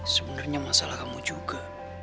sebenernya masalah kamu juga